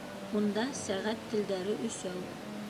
— Унда сәғәт телдәре өсәү.